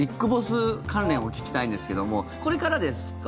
やっぱりＢＩＧＢＯＳＳ関連を聞きたいんですけどもこれからですか？